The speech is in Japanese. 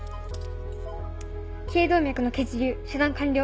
頸動脈の血流遮断完了